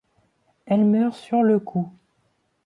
Elle meurt sur le coup.